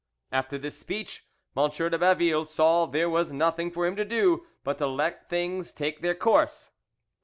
After this speech, M. de Baville saw there was nothing for him to do but to let things take their course.